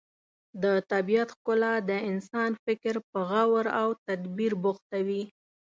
د طبیعت ښکلا د انسان فکر په غور او تدبر بوختوي.